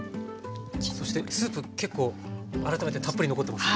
そしてスープ結構改めてたっぷり残ってますね。